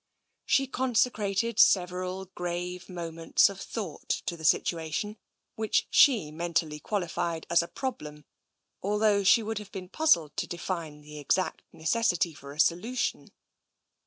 She consecrated several grave moments of thought to the situation, which she mentally qualified as a problem, although she would have been puzzled to de fine the exact necessity for a solution.